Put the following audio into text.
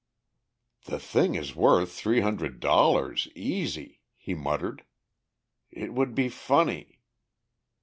"The thing is worth three hundred dollars, easy," he muttered. "It would be funny...."